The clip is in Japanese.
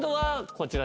こちら。